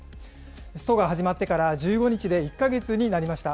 ストが始まってから１５日で１か月になりました。